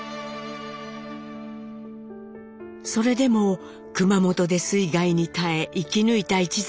それでも熊本で水害に耐え生き抜いた一族の末裔。